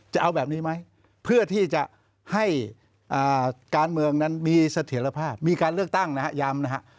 จะเอาแบบนี้ไหมเพื่อที่จะให้การเมืองนั้นมีเสถียรภาพมีการเลือกตั้งนะฮะย้ำนะฮะ